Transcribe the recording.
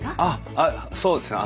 あっそうですね